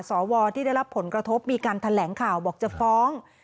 สวที่ได้รับผลกระทบมีการแถลงข่าวบอกจะฟ้อง